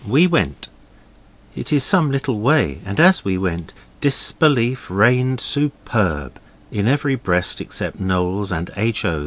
We went. It is some little way, and as we went, disbelief reigned superb in every breast except Noel's and H. O.